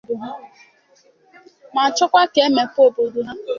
ma chọkwa ka e mepee obodo ha